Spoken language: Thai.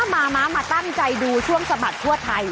มาม้ามาตั้งใจดูช่วงสะบัดทั่วไทย